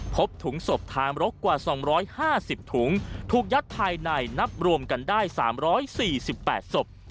พบถุงศพทางรกกว่า๒๕๐ถุงถูกยัดภายในนับรวมกันได้๓๔๘ศพ